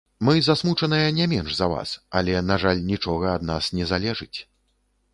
Мы засмучаныя не менш за вас, але на жаль нічога ад нас не залежыць.